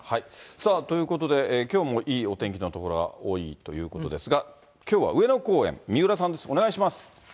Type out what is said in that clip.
さあ、ということで、きょうもいいお天気の所が多いということですが、きょうは上野公園。